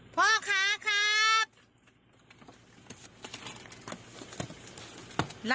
พ่อค้าครับ